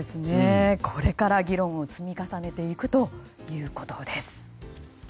これから議論を積み重ねていくということです。